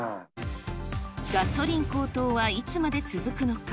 ガソリン高騰はいつまで続くのか。